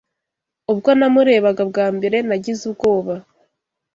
Ubwo namurebaga bwa mbere, nagize ubwoba